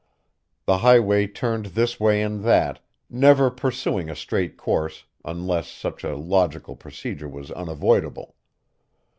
The highway turned this way and that, never pursuing a straight course unless such a logical procedure was unavoidable.